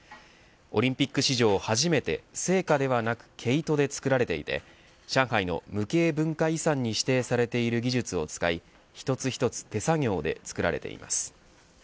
オリンピック史上初めて生花ではなく毛糸で作られていて上海の無形文化財に指定されている技術を使い一つ一つ手作業で作られています。